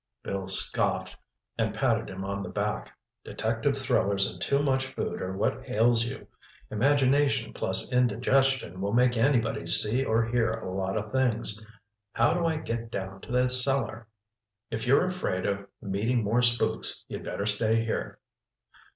Bill scoffed, and patted him on the back. "Detective thrillers and too much food are what ails you. Imagination plus indigestion will make anybody see or hear a lot of things. How do I get down to the cellar? If you're afraid of meeting more spooks, you'd better stay here."